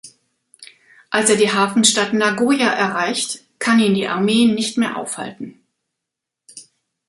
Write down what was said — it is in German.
Als er die Hafenstadt Nagoya erreicht, kann ihn die Armee nicht mehr aufhalten.